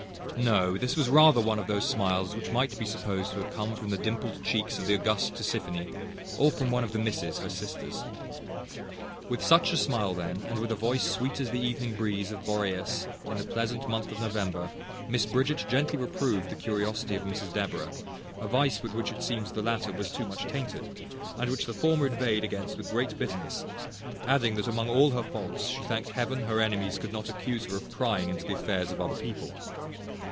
No, this was rather one of those smiles which might be supposed to have come from the dimpled cheeks of the august Tisiphone, or from one of the misses, her sisters. With such a smile then, and with a voice sweet as the evening breeze of Boreas in the pleasant month of November, Mrs Bridget gently reproved the curiosity of Mrs Deborah; a vice with which it seems the latter was too much tainted, and which the former inveighed against with great bitterness, adding, "That, among all her faults, she thanked Heaven her enemies could not accuse her of prying into the affairs of other people."